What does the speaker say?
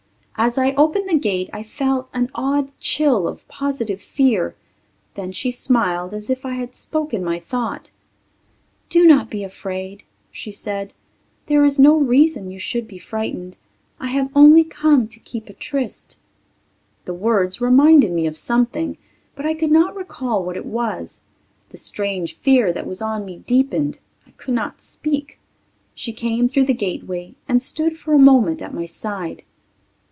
As I opened the gate I felt an odd chill of positive fear. Then she smiled as if I had spoken my thought. "Do not be frightened," she said. "There is no reason you should be frightened. I have only come to keep a tryst." The words reminded me of something, but I could not recall what it was. The strange fear that was on me deepened. I could not speak. She came through the gateway and stood for a moment at my side.